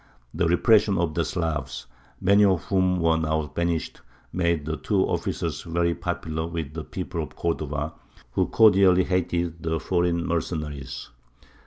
The repression of the Slavs, many of whom were now banished, made the two officials very popular with the people of Cordova, who cordially hated the foreign mercenaries.